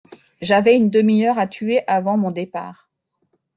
J’avais une demi-heure à tuer avant mon départ.